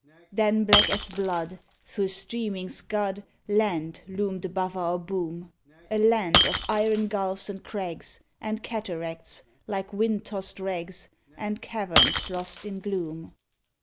Then black as blood through streaming scud Land loomed above our boom, A land of iron gulfs and crags And cataracts, like wind tossed rags, And caverns lost in gloom.